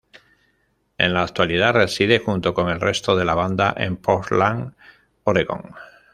En la actualidad reside, junto con el resto de la banda en Portland, Oregón.